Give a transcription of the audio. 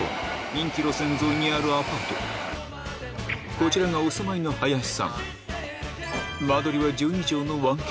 こちらがお住まいの近っ！